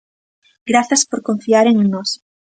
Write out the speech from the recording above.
Grazas por confiaren en nós.